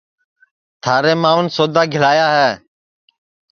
تھارے ماںٚون سودا گِھلایا ہے